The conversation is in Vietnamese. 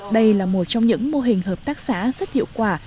đây là một trong những mô hình hợp tác xã rất hiệu quả